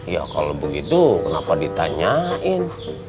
ya kalau begitu kenapa ditanyain